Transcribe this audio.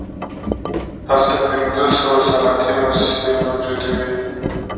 هلته پنځه سوه صنعتي موسسې موجودې وې